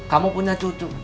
kamu punya cucu